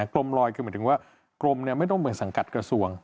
กรมลอยคือหมายถึงว่ากรมไม่ต้องเหมือนสังกัดกระทรวง